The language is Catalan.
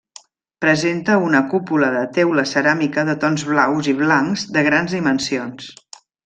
Presenta una cúpula de teula ceràmica de tons blaus i blancs, de grans dimensions.